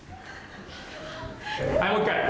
はい、もう１回。